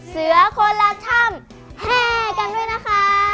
เสือคนละถ้ำแห้กันด้วยนะคะ